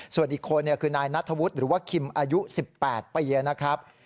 ส่วนอีกคนคือนายนัทธวุฒิหรือว่าคิมอายุ๑๘ปีนะครับ